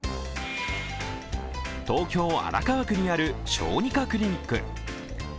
東京・荒川区にある小児科クリニック。